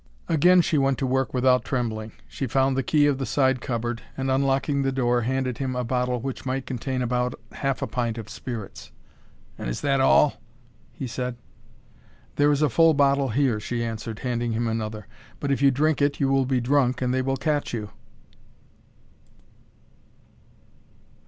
Again she went to work without trembling. She found the key of the side cupboard, and unlocking the door, handed him a bottle which might contain about half a pint of spirits. "And is that all?" he said. "There is a full bottle here," she answered, handing him another; "but if you drink it, you will be drunk, and they will catch you."